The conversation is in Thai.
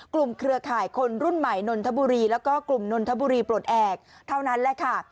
เครือข่ายคนรุ่นใหม่นนทบุรีแล้วก็กลุ่มนนทบุรีปลดแอบเท่านั้นแหละค่ะ